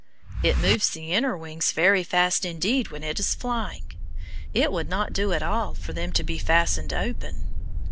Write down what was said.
It moves the inner wings very fast indeed when it is flying. It would not do at all for them to be fastened open.